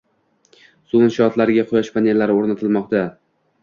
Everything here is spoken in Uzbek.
Suv inshootlariga quyosh panellari o‘rnatilmoqda